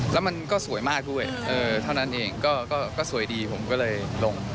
แล้วมันก็สวยมากด้วยเท่านั้นเองก็สวยดีผมก็เลยลง